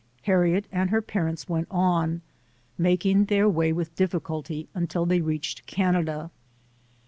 Harriet and her parents went on, making their way with difficulty, until they reached Canada.